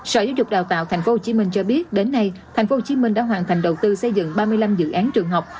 sở giáo dục đào tạo tp hcm cho biết đến nay tp hcm đã hoàn thành đầu tư xây dựng ba mươi năm dự án trường học